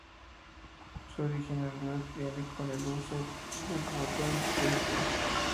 Su originalidad viene con el uso del botón 'bestia'.